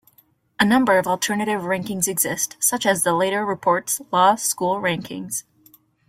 A number of alternative rankings exist, such as the Leiter Reports Law School Rankings.